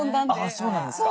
そうなんですか。